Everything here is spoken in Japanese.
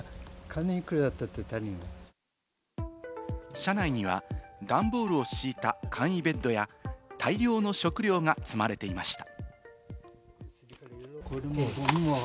車内にはダンボールを敷いた簡易ベッドや、大量の食料が積まれていました。